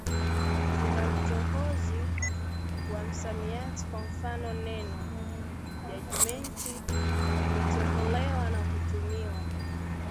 Kuna utohozi wa msamiati; kwa mfano, neno ‘jajimenti’ limetoholewa na kutumiwa